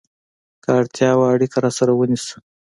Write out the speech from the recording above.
که اړتیا وه، اړیکه راسره ونیسه!